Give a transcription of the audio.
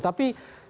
tapi sebenarnya kan